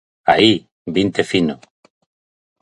Aí, vinte fino.